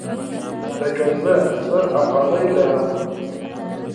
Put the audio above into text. لکه زه زر افغانۍ لرم